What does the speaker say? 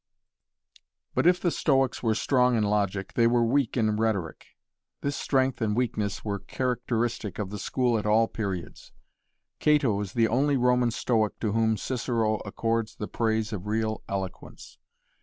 But if the Stoics were strong in logic they were weak in rhetoric. This strength and weakness were characteristic of the school at all periods. Cato is the only Roman Stoic to whom Cicero accords the praise of real eloquence.